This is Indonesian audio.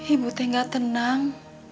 ibu teh gak tenang